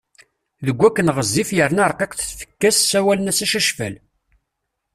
Deg wakken ɣezzif yerna rqiqet tfekka-s ssawalen-as Acacfal.